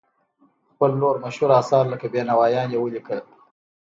خپل نور مشهور اثار لکه بینوایان یې ولیکل.